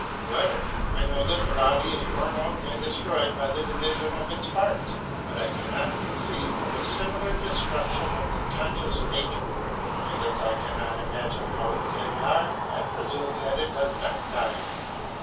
However, I know that the body is worn out and destroyed by the division of its parts, but I cannot conceive a similar destruction of the conscious nature, and as I cannot imagine how it can die, I presume that it does not die.